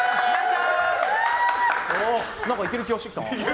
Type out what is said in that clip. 何か、いける気がしてきた。